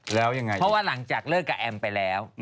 เพราะว่าหลังจากเลิกกับแอมไปแล้ว